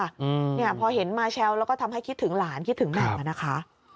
อืมเนี่ยพอเห็นมาแชลแล้วก็ทำให้คิดถึงหลานคิดถึงแม่นะคะ